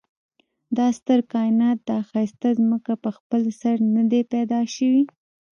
دا ستر کاينات دا ښايسته ځمکه په خپل سر ندي پيدا شوي